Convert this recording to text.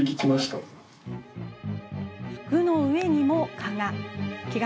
服の上にも、蚊が。